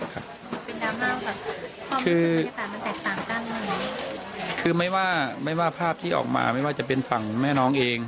คือไม่ว่าภาพที่ออกมาไม่ว่าจะเป็นฝั่งแม่น้องเอง